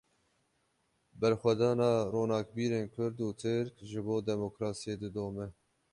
Berxwedana ronakbîrên Kurd û Tirk, ji bo demokrasiyê didome